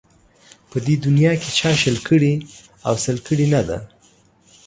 په دې دنیا کې چا شل کړي او سل کړي نه ده